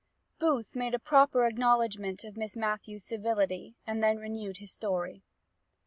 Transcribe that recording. _ Booth made a proper acknowledgment of Miss Matthew's civility, and then renewed his story.